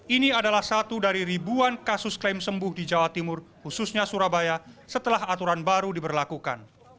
ini adalah satu dari ribuan kasus klaim sembuh di jawa timur khususnya surabaya setelah aturan baru diberlakukan